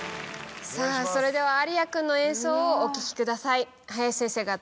さぁそれでは有哉君の演奏をお聴きください。